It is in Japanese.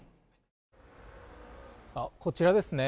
こちらですね。